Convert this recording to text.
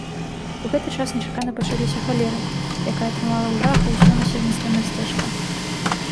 У гэты час нечакана пачалася халеры, якая трымала ў жаху ўсё насельніцтва мястэчка.